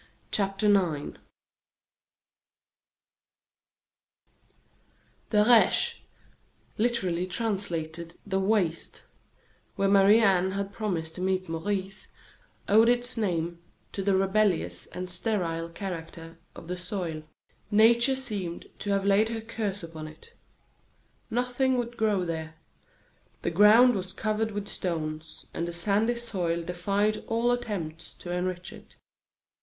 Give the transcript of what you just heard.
CHAPTER IX The Reche, literally translated the "Waste," where Marie Anne had promised to meet Maurice, owed its name to the rebellious and sterile character of the soil. Nature seemed to have laid her curse upon it. Nothing would grow there. The ground was covered with stones, and the sandy soil defied all attempts to enrich it.